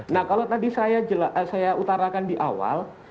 nah kalau tadi saya utarakan di awal